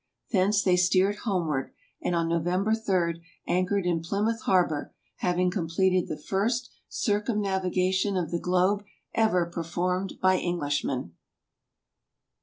Thence they steered homeward, and on November 3, anchored in Plymouth harbor, having completed the first circumnavigation of the globe ever performed by Englishmen.